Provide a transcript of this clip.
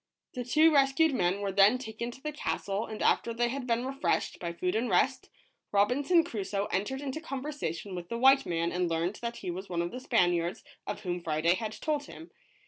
The two rescued men were then taken to the castle ; and after they had been refreshed by food and rest, Robinson Crusoe entered into conversation with the white man and learned that he was one of the Spaniards of whom Friday had told him.